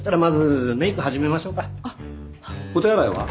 お手洗いは？